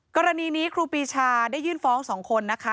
กรณีนี้ครูปีชาได้ยื่นฟ้อง๒คนนะคะ